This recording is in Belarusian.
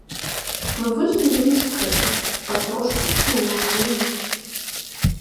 Вывозілі вельмі сакрэтна, патрошку і ў глухую ноч.